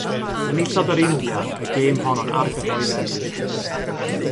Enillodd yr India y gêm honno'n argyhoeddedig.